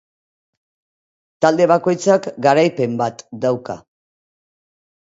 Talde bakoitzak garaipen bat dauka.